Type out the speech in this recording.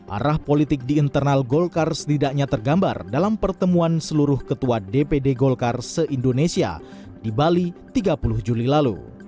arah politik di internal golkar setidaknya tergambar dalam pertemuan seluruh ketua dpd golkar se indonesia di bali tiga puluh juli lalu